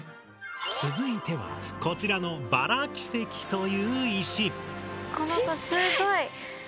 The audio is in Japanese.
続いてはこちらのバラ輝石という石。